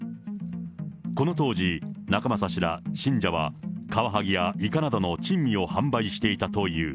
この当時、仲正氏ら信者はカワハギやイカなどの珍味を販売していたという。